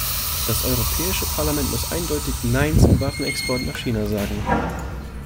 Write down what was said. Das Europäische Parlament muss eindeutig "Nein" zum Waffenexport nach China sagen.